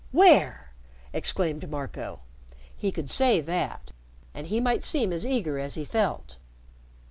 Where?" exclaimed Marco. He could say that, and he might seem as eager as he felt.